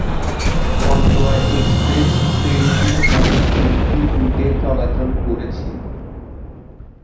Karatoya express ট্রেনটি মোট তিনটি রুটে চলাচল করেছে।